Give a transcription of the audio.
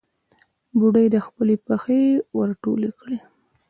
بوډۍ خپلې پښې ور ټولې کړې.